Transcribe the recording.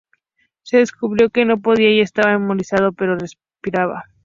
Se descubrió que no respondía y estaba inmovilizado, pero respiraba.